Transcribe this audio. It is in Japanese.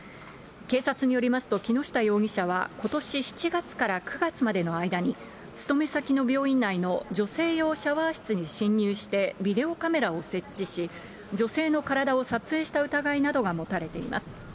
警察によりますと、木下容疑者はことし７月から９月までの間に勤め先の病院内の女性用シャワー室に侵入してビデオカメラを設置し、女性の体を撮影した疑いなどが持たれています。